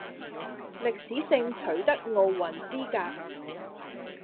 歷史性取得奧運資格